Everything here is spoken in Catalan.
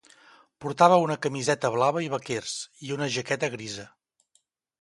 Portava una camiseta blava i vaquers, i una jaqueta grisa.